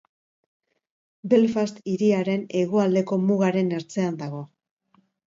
Belfast hiriaren hegoaldeko mugaren ertzean dago.